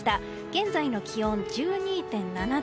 現在の気温、１２．７度。